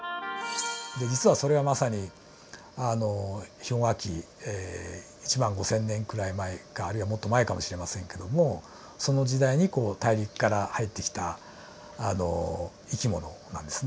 で実はそれはまさに氷河期１万５，０００年くらい前かあるいはもっと前かもしれませんけどもその時代に大陸から入ってきた生き物なんですね。